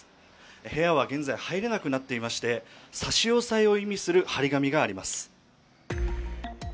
部屋は現在、入れなくなっていまして差し押さえを意味する貼り紙があります。